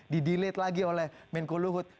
didelayed lagi oleh menko luhut